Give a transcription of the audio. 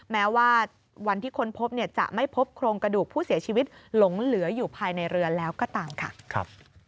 แม้ว่าวันที่ค้นพบเนี่ยจะไม่พบโครงกระดูกผู้เสียชีวิตหลงเหลืออยู่ภายในเรือแล้วก็ตามค่ะ